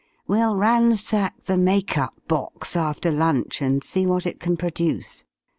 We'll ransack the 'make up' box after lunch and see what it can produce.